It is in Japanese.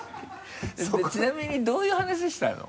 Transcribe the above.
ちなみにどういう話したの？